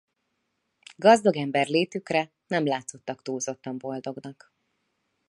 Gazdag ember létükre nem látszottak túlzottan boldognak.